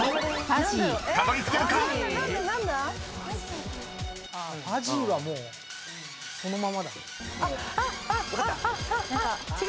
ファジーはもうそのままだ。